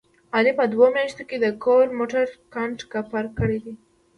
علي په دوه میاشتو کې د کور موټر کنډ کپر کړی دی.